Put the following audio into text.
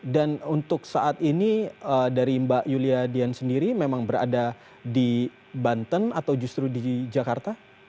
dan untuk saat ini dari mbak yulia dian sendiri memang berada di banten atau justru di jakarta